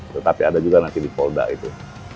tetapi ada juga nanti di polda itu